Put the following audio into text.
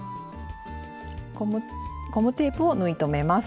ゴムテープを縫い留めます。